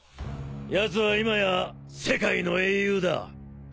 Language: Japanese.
やつは今や世界の英雄だ。